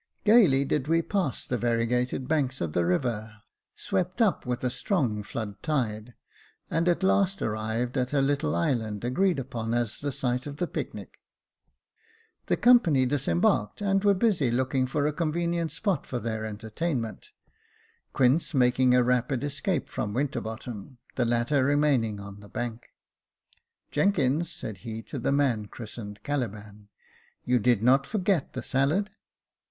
Gaily did we pass the variegated banks of the river, swept up with a strong flood tide, and at last arrived at a little island agreed upon as the site of the picnic. The company disembarked, and were busy looking for a convenient spot for their entertainment, Quince making a rapid escape from Winter bottom, the latter remaining on the bank. " Jenkins," said he to the man christened Caliban, "you did not for get the salad